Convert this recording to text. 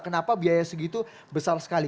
kenapa biaya segitu besar sekali